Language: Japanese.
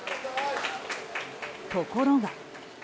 ところが。